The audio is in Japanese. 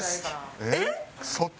えっ？